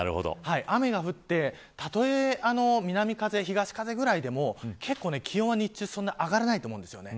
雨が降って南風、東風くらいでもけっこう気温は日中、そんなに上がらないと思います。